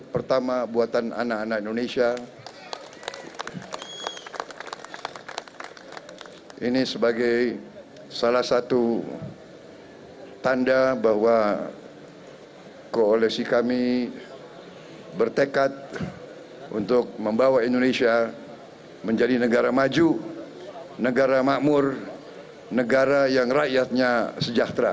pahwe nusantara di mana kami diantar dan kami sangat bangga bahwa kami diantar di atas